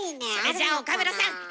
それじゃあ岡村さん